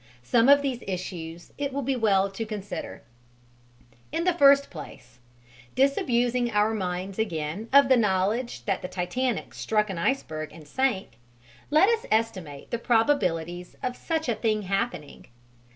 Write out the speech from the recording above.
Some of these issues it will be well to consider. In the first place, disabusing our minds again of the knowledge that the Titanic struck an iceberg and sank, let us estimate the probabilities of such a thing happening.